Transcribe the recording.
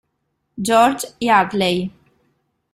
George Yardley